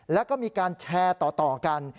แล้วก็มีการแชร์ต่อกัน